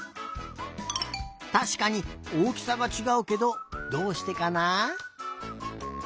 たしかにおおきさがちがうけどどうしてかな？